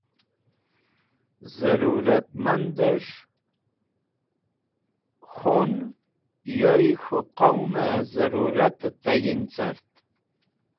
Zẽrũratmandẽsh k̃hũn yoy k̃hũ qowmẽ zẽrũratẽ tayin cart.